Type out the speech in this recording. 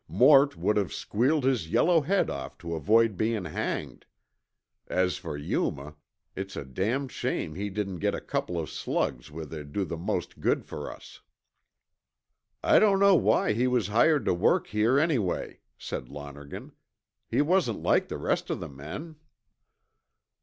Mort would have squealed his yellow head off to avoid bein' hanged. As for Yuma, it's a damned shame he didn't get a couple of slugs where they'd do the most good for us." "I don't know why he was hired to work here anyway," said Lonergan. "He wasn't like the rest of the men."